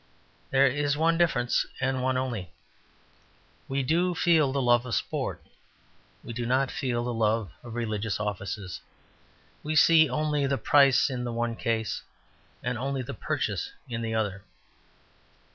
There is one difference and one only: we do feel the love of sport; we do not feel the love of religious offices. We see only the price in the one case and only the purchase in the other.